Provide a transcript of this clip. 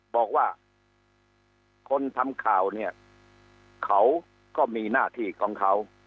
บอกว่าคนทำข่าวเนี่ยเขาก็มีหน้าที่ของเขา